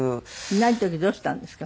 ない時どうしたんですか？